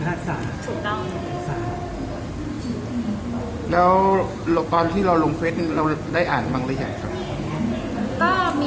เราก็อ่านจำมันนะคะแต่คือความริพาะของที่เรายื่นไปดีการก็อีกเรื่องนะครับ